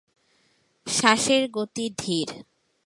শ্বাসের গতি ধীর।